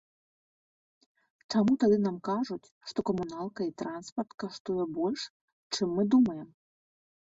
Чаму тады нам кажуць, што камуналка і транспарт каштуе больш, чым мы думаем?